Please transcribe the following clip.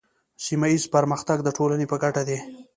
سیمه ایز پرمختګ د ټولنې په ګټه دی.